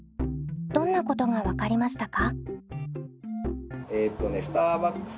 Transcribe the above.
どんなことが分かりましたか？